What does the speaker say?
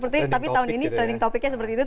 tapi tahun ini trading topiknya seperti itu